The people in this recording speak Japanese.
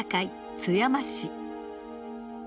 津山市。